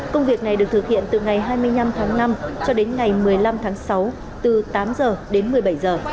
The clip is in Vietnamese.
công việc này được thực hiện từ ngày hai mươi năm tháng năm cho đến ngày một mươi năm tháng sáu từ tám giờ đến một mươi bảy giờ